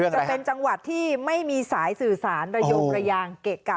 จะเป็นจังหวัดที่ไม่มีสายสื่อสารระโยงระยางเกะกะ